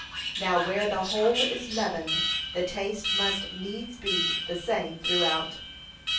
Now where the whole is leavened, the taste must needs be the same throughout.